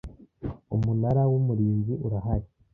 Umunara w Umurinzi urahari